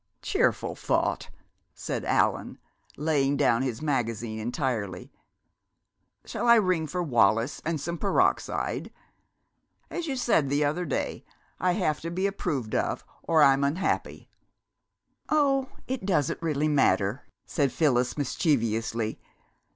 "Cheerful thought!" said Allan, laying down his magazine entirely. "Shall I ring for Wallis and some peroxide? As you said the other day, 'I have to be approved of or I'm unhappy!'" "Oh, it really doesn't matter," said Phyllis mischievously.